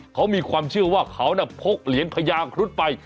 เขามีความเชื่อว่าเขาน่ะพกเหรียญพญาครุฑไป